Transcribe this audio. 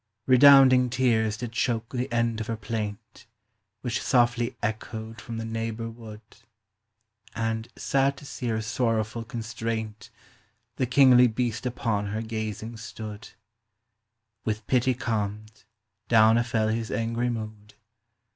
" Redounding tears did choke th' end of her plaint, Which softly ecchoed from the neighbour wood; And, sad to see her sorrowfull constraint, The kingly beast upon her gazing stood ; With pittie calmd, downe fell his angry mood.